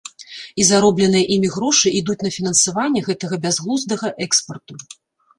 І заробленыя імі грошы ідуць на фінансаванне гэтага бязглуздага экспарту.